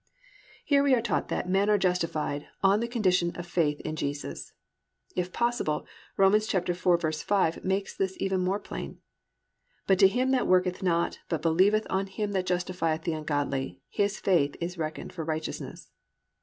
"+ Here we are taught that men are justified on the condition of faith in Jesus. If possible, Rom. 4:5 makes this even more plain, +"But to him that worketh not but believeth on him that justifieth the ungodly, his faith is reckoned for righteousness."